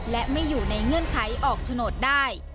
และไม่อยู่ในเงื่อนไขออกโฉนดได้